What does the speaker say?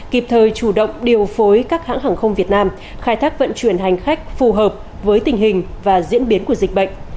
kịp thời chủ động điều phối các hãng hàng không việt nam khai thác vận chuyển hành khách phù hợp với tình hình và diễn biến của dịch bệnh